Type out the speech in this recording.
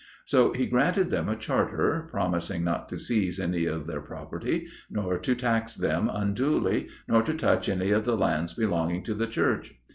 So he granted them a Charter, promising not to seize any of their property, nor to tax them unduly, nor to touch any of the lands belonging to the Church.